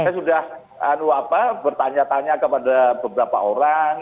saya sudah bertanya tanya kepada beberapa orang